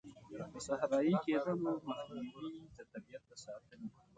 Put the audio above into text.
د صحرایې کیدلو مخنیوی، د طبیعیت د ساتنې.